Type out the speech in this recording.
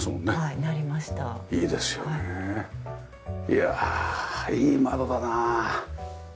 いやいい窓だなあ。